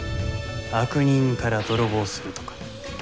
悪人から泥棒するとか。